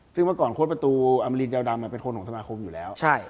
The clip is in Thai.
ซึ่งเมื่อก่อนโค้ดประตูอมรินยาวดำเป็นคนของสมาคมอยู่แล้ว